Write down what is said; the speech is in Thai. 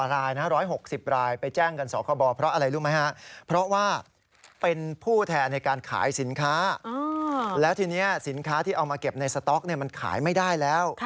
แล้วทีนี้สินค้าที่เอามาเก็บในสต๊อกมันขายไม่ได้แล้ว